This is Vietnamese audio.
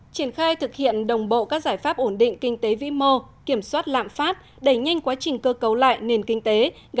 triển khai thực hiện đồng bộ các giải pháp ổn định kinh tế vĩ mô kiểm soát lạm phát đẩy nhanh quá trình cơ cấu lại nền kinh tế